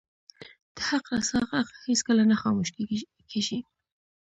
د حق رسا ږغ هیڅکله نه خاموش کیږي